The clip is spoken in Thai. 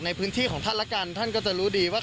ในพื้นที่ของท่านละกันท่านก็จะรู้ดีว่า